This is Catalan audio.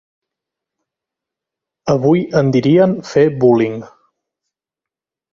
Avui en dirien fer bullying.